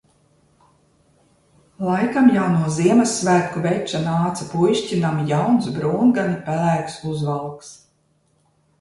Laikam jau no Ziemassvētku veča nāca puišķinam jauns brūngani pelēks uzvalks.